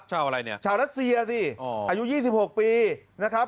ชาวอะไรเนี่ยชาวรัสเซียสิอายุ๒๖ปีนะครับ